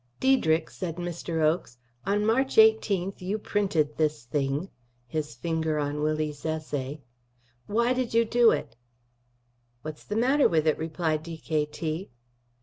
"Diedrick," said Mr. Oakes, "on March eighteenth you printed this thing" his finger on Willie's essay "why did you do it?" "What's the matter with it?" replied D.K.T.